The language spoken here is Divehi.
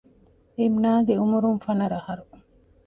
އިމްނާގެ އުމުރުން ފަނަރަ އަހަރު